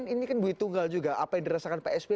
ini kan duit tunggal juga apa yang dirasakan psp